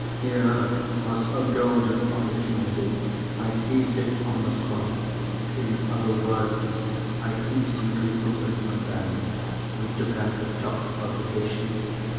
Here was a golden opportunity! I seized it on the spot. In other words, I instantly opened my bag, and took out the top publication.